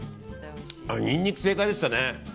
ニンニク正解でしたね。